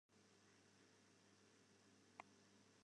Hoe't it ûngelok barre koe, is net dúdlik.